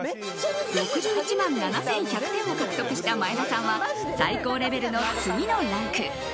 ６１万７１００点を獲得した前田さんは最高レベルの次のランク。